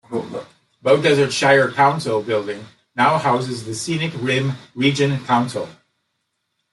Beaudesert Shire Council building now houses the Scenic Rim Region Council.